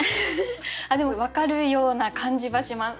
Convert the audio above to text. でも分かるような感じはします。